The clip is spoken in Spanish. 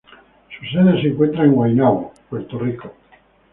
Su sede se encuentra en Guaynabo, Puerto Rico.